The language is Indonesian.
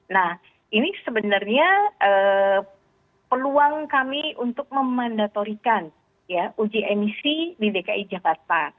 nah ini sebenarnya peluang kami untuk memandatorikan uji emisi di dki jakarta